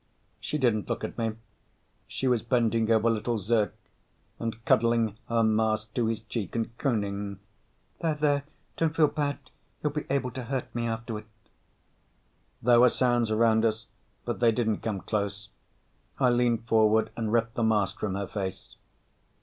She didn't look at me. She was bending over little Zirk and cuddling her mask to his cheek and crooning: "There, there, don't feel bad, you'll be able to hurt me afterward." There were sounds around us, but they didn't come close. I leaned forward and ripped the mask from her face.